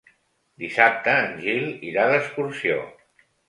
Dissabte en Gil irà d'excursió.